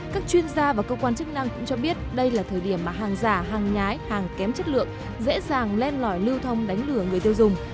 các chuyên gia và cơ quan chức năng cũng cho biết đây là thời điểm mà hàng giả hàng nhái hàng kém chất lượng dễ dàng lên lòi lưu thông đánh lửa người tiêu dùng